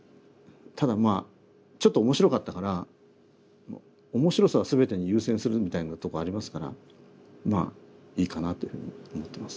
ただまあちょっと面白かったから面白さは全てに優先するみたいなとこありますからまあいいかなというふうに思ってます。